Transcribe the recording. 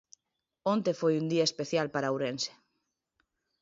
Onte foi un día especial para Ourense.